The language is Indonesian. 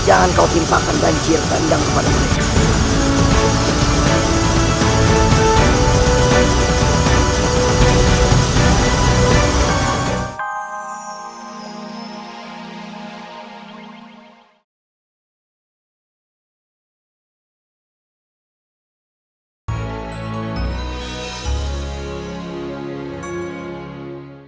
jangan kau timpakan banjir bandang kepada mereka